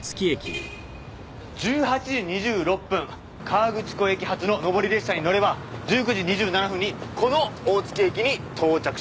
河口湖駅発の上り列車に乗れば１９時２７分にこの大月駅に到着します。